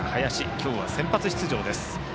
今日は先発出場です。